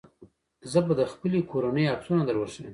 زه به د خپلې کورنۍ عکسونه دروښيم.